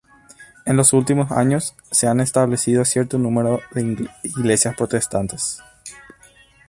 En los últimos años, se han establecido cierto número de iglesias protestantes.